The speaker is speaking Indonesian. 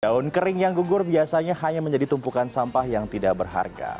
daun kering yang gugur biasanya hanya menjadi tumpukan sampah yang tidak berharga